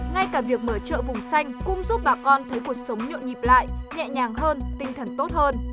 ngay cả việc mở chợ vùng xanh cũng giúp bà con thấy cuộc sống nhộn nhịp lại nhẹ nhàng hơn tinh thần tốt hơn